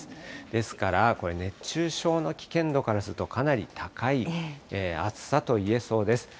ですからこれ、熱中症の危険度からするとかなり高い暑さといえそうです。